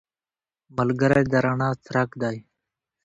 ملګری د رڼا څرک دی